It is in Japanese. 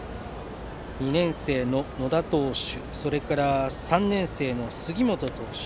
２年生の野田投手３年生の杉本投手。